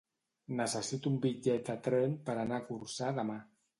Necessito un bitllet de tren per anar a Corçà demà.